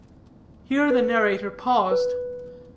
'" Here the narrator paused.